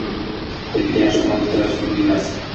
Lekin yaxshi tomonga o’zgarish mumkin emas.